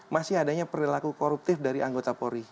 masih adanya perilaku koruptif dari anggota polri